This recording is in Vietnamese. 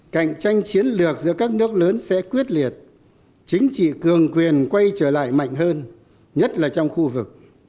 cạnh tranh chiến lược giữa các nước lớn sẽ quyết liệt chính trị cường quyền quay trở lại mạnh hơn nhất là trong khu vực